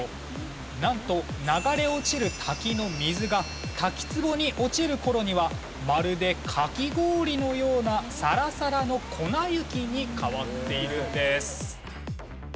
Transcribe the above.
なんと流れ落ちる滝の水が滝つぼに落ちる頃にはまるでかき氷のようなサラサラの粉雪に変わっているんです。